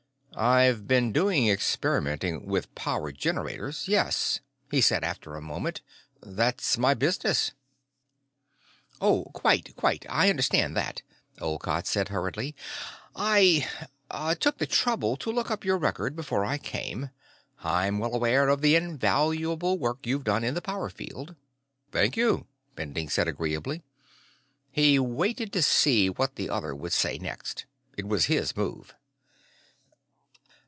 "I've been doing experimenting with power generators, yes," he said after a moment. "That's my business." "Oh, quite, quite. I understand that," Olcott said hurriedly. "I ... ah ... took the trouble to look up your record before I came. I'm well aware of the invaluable work you've done in the power field." "Thank you," Bending said agreeably. He waited to see what the other would say next. It was his move.